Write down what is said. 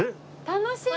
楽しい！